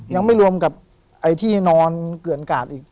ยังไม่รวมกับไอ้ที่นอนเกลื่อนกาดอีก